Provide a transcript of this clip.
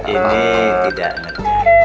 ini tidak ngerjain